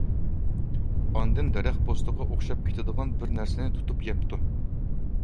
ئاندىن دەرەخ پوستىغا ئوخشاپ كېتىدىغان بىر نەرسىنى تۇتۇپ يەپتۇ.